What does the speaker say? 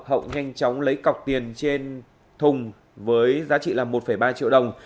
hậu nhanh chóng lấy cọc tiền trên thùng với giá trị là một ba triệu đồng